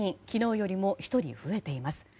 昨日よりも１人増えています。